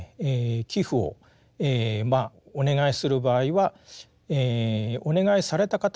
寄附をお願いする場合はお願いされた方のですね